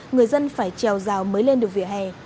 người dân phải trèo rào mới lên được vỉa hè